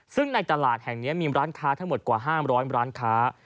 ซึ่งในตลาดแห่งนี้มีร้านค้าทั้งหมดกว่า๕๐๐ร้านค้า